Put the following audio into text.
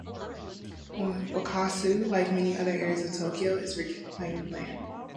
Wakasu, like many other areas of Tokyo, is reclaimed land.